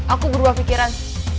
aku berubah pikiran